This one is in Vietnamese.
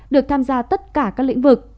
được tham gia tất cả các lĩnh vực